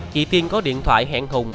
chị tiên có điện thoại hẹn hùng